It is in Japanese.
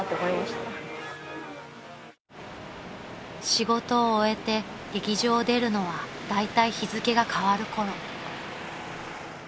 ［仕事を終えて劇場を出るのはだいたい日付が変わるころ］